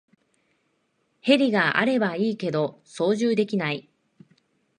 ヘリがあればいいけど操縦できない